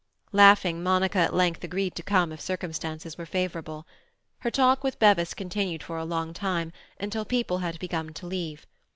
Laughing, Monica at length agreed to come if circumstances were favourable. Her talk with Bevis continued for a long time, until people had begun to leave.